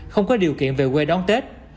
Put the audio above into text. không có điều kiện về quê đón tết